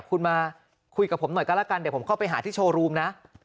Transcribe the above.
คุณมาคุยกับผมหน่อยก็แล้วกันเดี๋ยวผมเข้าไปหาที่โชว์รูมนะ